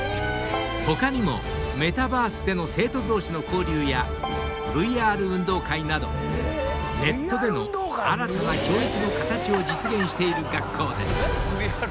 ［他にもメタバースでの生徒同士の交流やＶＲ運動会などネットでの新たな教育の形を実現している学校です］